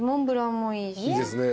いいですね。